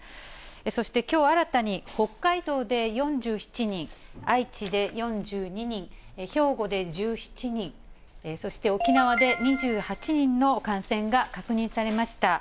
そしてきょう新たに北海道で４７人、愛知で４２人、兵庫で１７人、そして沖縄で２８人の感染が確認されました。